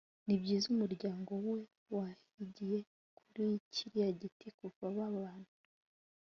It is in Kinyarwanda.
Nibyiza umuryango we wahigiye kuri kiriya giti kuva babana